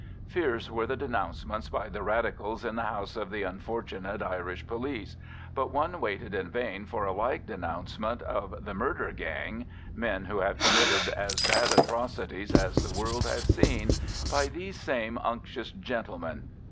Fierce were the denouncements by the Radicals in the House of the unfortunate Irish police; but one waited in vain for a like denouncement of the murder gang (men who have committed as bad atrocities as the world has seen) by these same unctuous gentlemen.